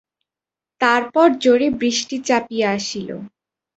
তারপর জোরে বৃষ্টি চাপিয়া আসিল।